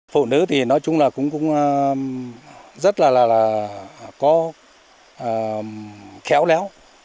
phụ nữ thì nói chung là cũng rất là là có khéo léo